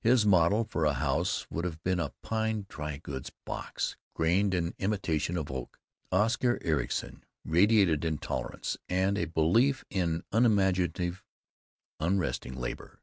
His model for a house would have been a pine dry goods box grained in imitation of oak. Oscar Ericson radiated intolerance and a belief in unimaginative, unresting labor.